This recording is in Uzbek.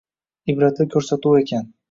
Ibratli ko‘rsatuv ekan.